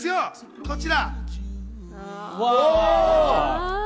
こちら！